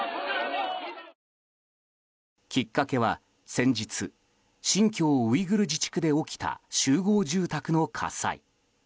きっかけは先日新疆ウイグル自治区で起きた集合住宅の火災。